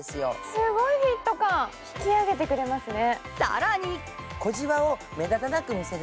すごいヒット感引き上げてくれますね。